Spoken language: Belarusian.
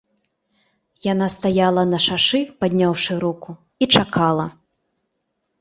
Яна стаяла на шашы, падняўшы руку, і чакала.